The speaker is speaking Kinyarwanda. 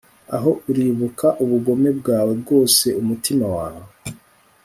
aho uribuka ubugome bwawe bwose umutima wawe